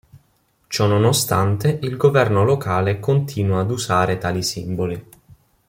Ciononostante, il governo locale continua ad usare tali simboli.